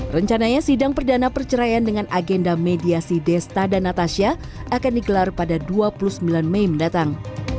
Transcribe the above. rencananya sidang perdana perceraian dengan agenda mediasi desta dan natasha akan digelar pada dua puluh sembilan mei mendatang